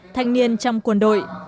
thanh niên trong quân đội